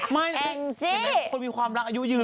ไม่เอนเจคุณมีความรักอายุยืน